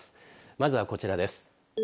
まずはこちらです。